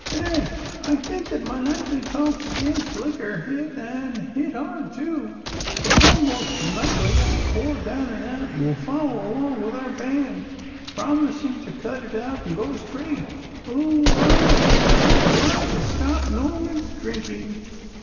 "And I think that my nightly talks against liquor, hit; and hit hard, too; for almost nightly a poor down and out will follow along with our band, promising to cut it out and go straight. Oh, why didn't I try to stop Norman's drinking?"